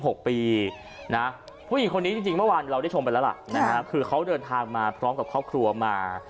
หกปีนะผู้หญิงคนนี้จริงจริงเมื่อวานเราได้ชมไปแล้วล่ะนะฮะคือเขาเดินทางมาพร้อมกับครอบครัวมา